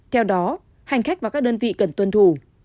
theo đó hành khách và các đơn vị cần tuân thủ